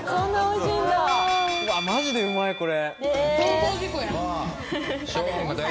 マジでうまい、これ。